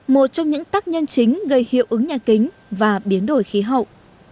một trong những tác nhân chính gây hiệu ứng nhà kính và biến đổi khí hậu